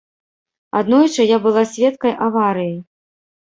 Аднойчы я была сведкай аварыі.